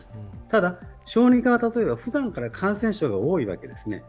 ただ小児科はふだんから感染症が多いわけですね。